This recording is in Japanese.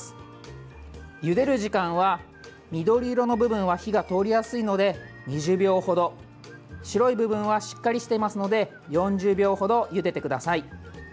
ゆでる時間は、緑色の部分は火が通りやすいので２０秒ほど白い部分はしっかりしていますので４０秒ほど、ゆでてください。